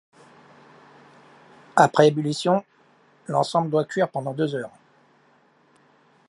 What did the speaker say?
Après ébullition, l'ensemble doit cuire pendant deux heures.